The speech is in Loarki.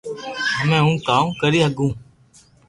ھمي ھون ڪاو ڪري ھگو